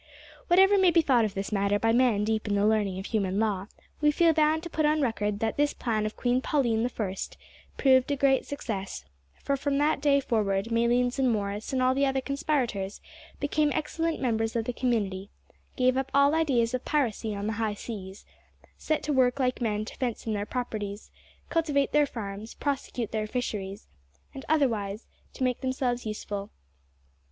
Whatever may be thought of this matter by men deep in the learning of human law, we feel bound to put on record that this plan of Queen Pauline the First proved a great success, for, from that day forward, Malines and Morris and all the other conspirators became excellent members of the community gave up all ideas of piracy on the high seas, set to work like men to fence in their properties, cultivate their farms, prosecute their fisheries, and otherwise to make themselves useful.